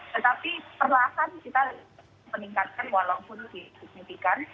tetapi perlahan kita meningkatkan walaupun disignifikan